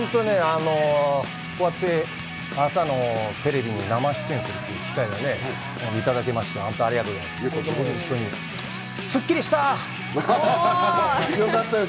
こうやって朝のテレビに生出演する機会をいただけまして、本当にありがとうございます。